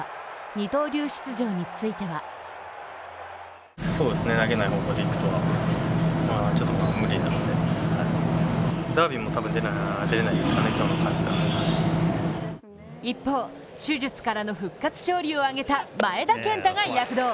二刀流出場については一方、手術からの復活勝利を挙げた前田健太が躍動。